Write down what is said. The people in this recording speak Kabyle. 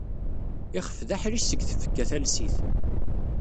Ixef d aḥric seg tfekka talsit.